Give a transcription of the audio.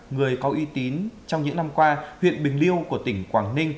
người có uy tín trong những năm qua huyện bình liêu của tỉnh quảng ninh